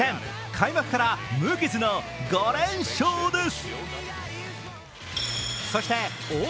開幕から無傷の５連勝です。